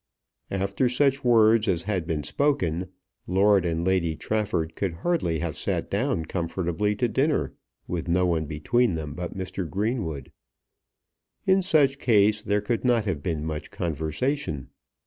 After such words as had been spoken Lord and Lady Trafford could hardly have sat down comfortably to dinner, with no one between them but Mr. Greenwood. In such case there could not have been much conversation.